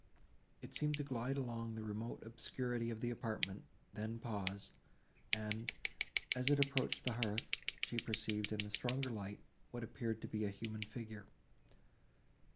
It seemed to glide along the remote obscurity of the apartment, then paused, and, as it approached the hearth, she perceived, in the stronger light, what appeared to be a human figure.